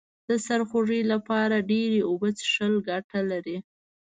د سرخوږي لپاره ډیرې اوبه څښل گټه لري